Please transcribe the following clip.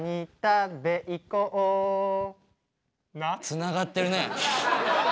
つながってるね！